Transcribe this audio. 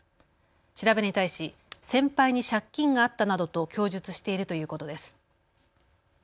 調べに対し先輩に借金があったなどと供述しているということです。